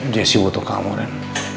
jesse butuh kamu ren